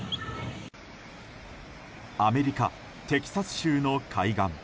アメリカ・テキサス州の海岸。